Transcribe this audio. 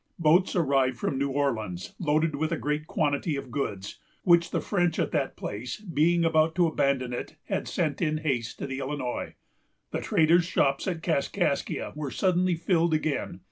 Boats arrived from New Orleans, loaded with a great quantity of goods, which the French, at that place, being about to abandon it, had sent in haste to the Illinois. The traders' shops at Kaskaskia were suddenly filled again.